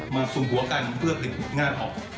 มาสูงหัวกันเพื่อเป็นงานออก